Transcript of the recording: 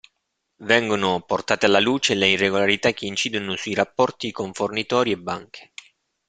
Vengono portate alla luce le irregolarità che incidono sui rapporti con fornitori e banche.